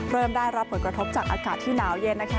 ได้รับผลกระทบจากอากาศที่หนาวเย็นนะคะ